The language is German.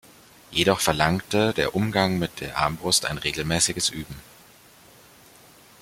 Jedoch verlangte der Umgang mit der Armbrust ein regelmäßiges Üben.